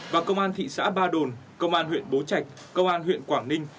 và công an thị xã ba đồn công an huyện bố trạch công an huyện quảng ninh